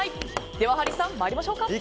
では、ハリーさん参りましょうか。